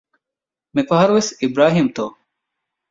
މި ފަހަރު ވެސް އިބްރާހީމްތޯ؟